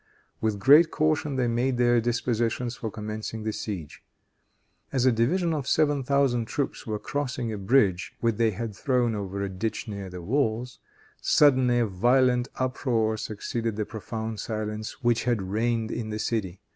With great caution they made their dispositions for commencing the siege. As a division of seven thousand troops were crossing a bridge which they had thrown over a ditch near the walls, suddenly a violent uproar succeeded the profound silence which had reigned in the city.